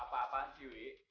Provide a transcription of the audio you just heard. apa apaan sih wi